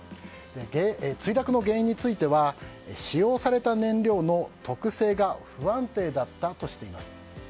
墜落の原因については使用された燃料の特性が不安定だったとしています。